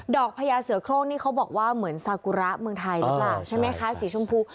พญาเสือโครงนี่เขาบอกว่าเหมือนซากุระเมืองไทยหรือเปล่าใช่ไหมคะสีชมพู